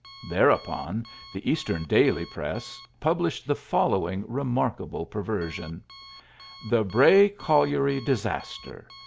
Thereupon the Eastern daily press published the following remarkable perversion: "The Bray Colliery Disaster.